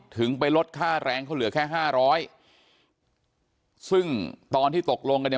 ถึงไปลดค่าแรงเขาเหลือแค่ห้าร้อยซึ่งตอนที่ตกลงกันเนี่ย